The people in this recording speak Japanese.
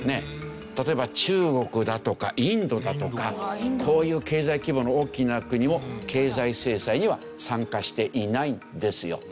例えば中国だとかインドだとかこういう経済規模の大きな国も経済制裁には参加していないんですよ。